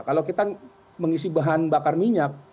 kalau kita mengisi bahan bakar minyak